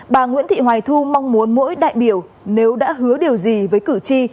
bà nguyễn thị hoài thu mong muốn mỗi đại biểu nếu đã hứa điều gì với cử tri